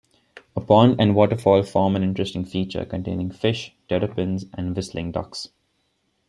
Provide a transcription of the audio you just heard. A pond and waterfall form an interesting feature, containing fish, terrapins and whistling ducks.